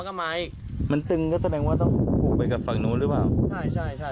แล้วก็ไม้มันตึงก็แสดงว่าต้องผูกไปกับฝั่งนู้นหรือเปล่าใช่ใช่